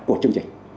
của chương trình